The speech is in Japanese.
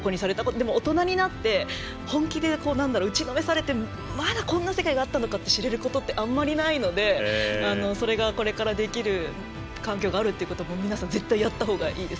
でも、大人になって本気で打ちのめされてまだ、こんな世界があったのかっていうことはあんまりないのでそれが、これからできる環境があるなら皆さん、やったほうがいいです。